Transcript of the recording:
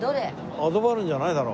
アドバルーンじゃないだろ。